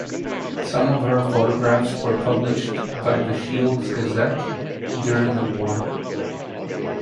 Some of her photographs were published by the Shields Gazette during the war.